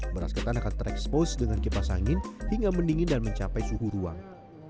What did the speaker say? beras ketan akan terekspos dengan kipas angin hingga mendingin dan mencapai suhu ruang